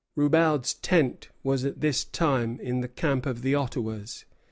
Roubaud's tent was at this time in the camp of the Ottawas.